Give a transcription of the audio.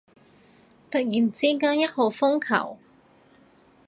突然之間一號風球？